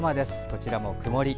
こちらも曇り。